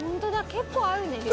結構あるね量。